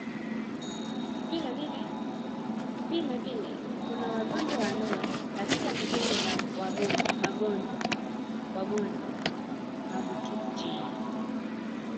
Vile vile kuna wagonjwa wanne katika kitengo cha wagonjwa mahututi